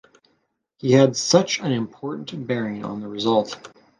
He had such an important bearing on the result.